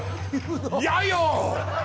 やよ